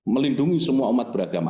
melindungi semua umat beragama